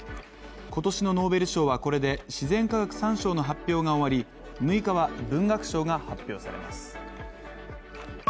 今年のノーベル賞はこれで自然科学３賞の発表が終わり６日は文学賞が発表されます。